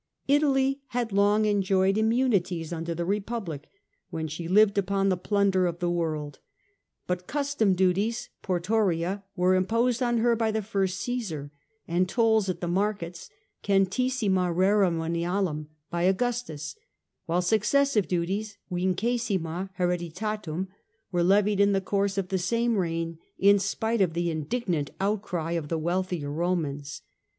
Italy had long enjoyed immunities under the Republic, when she lived upon the plunder of the world; bui 2o6 The Age of the Antonines ch. ix. custom duties (portoria) were imposed on her by the first Cassar, and tolls at the markets (centesima rerum venalium) by Augustus, while succession duties (vicesima hereditatum) were levied in the course of the same reign in spite of the indignant outcry of the wealthier Romans.